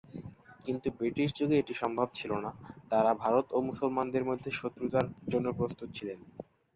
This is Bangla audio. কিন্তু ব্রিটিশ যুগে এটি সম্ভব ছিল না, তারা ভারত ও মুসলমানদের মধ্যে শত্রুতার জন্য প্রস্তুত ছিলেন।